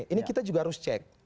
ini kita juga harus cek